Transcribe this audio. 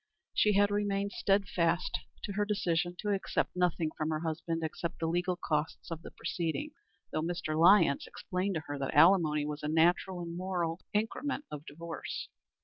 She had remained steadfast to her decision to accept nothing from her husband except the legal costs of the proceedings, though Mr. Lyons explained to her that alimony was a natural and moral increment of divorce.